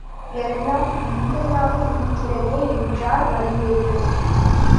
எல்லாம் விந்தையாக இருக்கிறதே! என்றார் வடிவேலு.